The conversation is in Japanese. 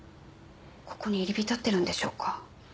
ここに入り浸ってるんでしょうか。